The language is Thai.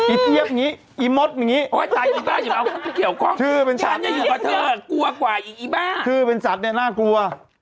อีเตี๊ยบอย่างนี้อีมดอย่างนี้ชื่อเป็นสัตว์เนี่ยน่ากลัว